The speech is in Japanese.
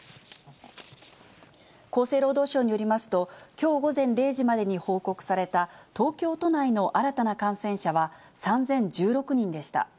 厚生労働省によりますと、きょう午前０時までに報告された東京都内の新たな感染者は３０１６人でした。